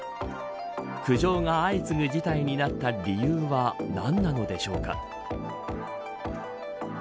苦情が相次ぐ事態になった理由は何なのでしょうか。